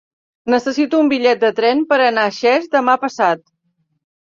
Necessito un bitllet de tren per anar a Xest demà passat.